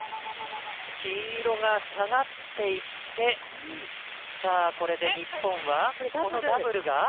黄色が下がっていってこれで日本は、このダブルが。